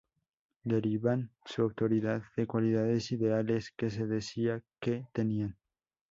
Derivaban su autoridad de cualidades ideales que se decía que tenían.